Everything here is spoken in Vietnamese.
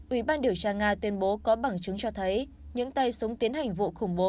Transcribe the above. ủy ban điều tra nga tuyên bố có bằng chứng cho thấy những tay súng tiến hành vụ khủng bố